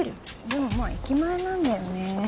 でもまあ駅前なんだよね。